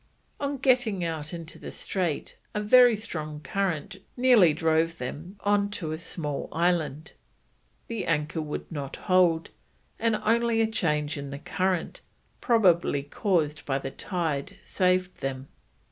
On getting out into the strait a very strong current nearly drove them on to a small island, the anchor would not hold, and only a change in the current, probably caused by the tide, saved them.